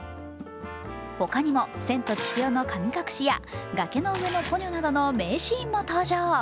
ほかにも「千と千尋の神隠し」や「崖の上のポニョ」などの名シーンも登場。